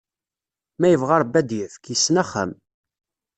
Ma ibɣa Ṛebbi ad d-ifk, yessen axxam.